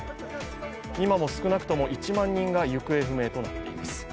今も少なくとも１万人が行方不明となっています。